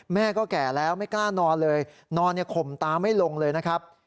แม่ก็แก่แล้วไม่กล้านอนเลยนอนข่มตาไม่ลงเลยนะครับ